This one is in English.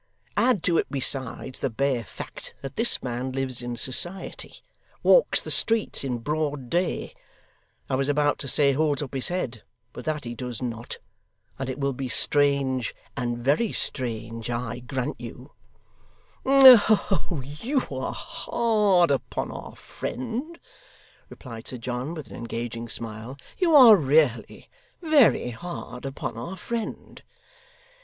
Add to it besides the bare fact that this man lives in society, walks the streets in broad day I was about to say, holds up his head, but that he does not and it will be strange, and very strange, I grant you.' 'Oh! you are hard upon our friend,' replied Sir John, with an engaging smile. 'You are really very hard upon our friend!